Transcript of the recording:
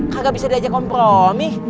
kagak bisa diajak kompromi